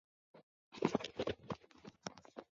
Jeshi la jamhuri ya kidemokrasia linaishutumu Rwanda